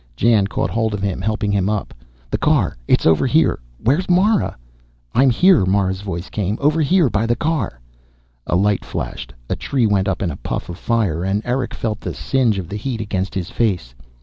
Jan caught hold of him, helping him up. "The car. It's over here. Where's Mara?" "I'm here," Mara's voice came. "Over here, by the car." A light flashed. A tree went up in a puff of fire, and Erick felt the singe of the heat against his face.